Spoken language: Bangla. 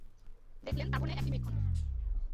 দেখলেন, তাঁবুর ন্যায় একটি মেঘখণ্ড।